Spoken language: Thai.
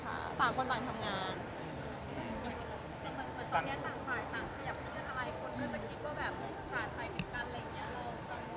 อเรนนี่ตอนนี้ต่างฝ่ายต่างขยับขึ้นกันอะไรคนก็จะคิดว่าแบบฝ่ายถึงกันอะไรอย่างเงี้ยกังวลหรือเปล่า